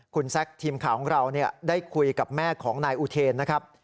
คุณแซคทีมข่าวของเราได้คุยกับแม่ของนายอุเทนนะครับ